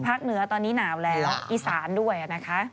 เหนือตอนนี้หนาวแล้วอีสานด้วยนะคะ